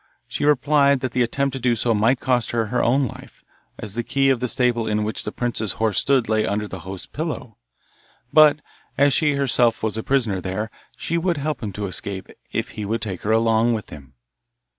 She replied that the attempt to do so might cost her her own life, as the key of the stable in which the prince's horse stood lay under the host's pillow; but, as she herself was a prisoner there, she would help him to escape if he would take her along with him.